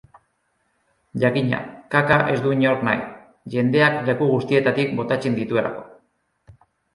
Jakina, kaka ez du inork nahi, jendeak leku guztietatik botatzen dituelako.